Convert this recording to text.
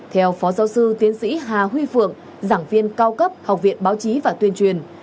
theo phó giáo sư tiến sĩ hà huy phượng giảng viên cao cấp học viện báo chí và tuyên truyền